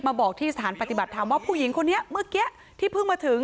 บอกที่สถานปฏิบัติธรรมว่าผู้หญิงคนนี้เมื่อกี้ที่เพิ่งมาถึง